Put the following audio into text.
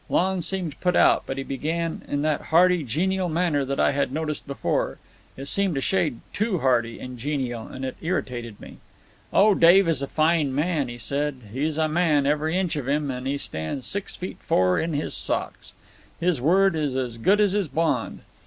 Lon seemed put out, but he began in that hearty, genial manner that I had noticed before. It seemed a shade too hearty and genial, and it irritated me. "Oh, Dave is a fine man," he said. "He's a man, every inch of him, and he stands six feet four in his socks. His word is as good as his bond.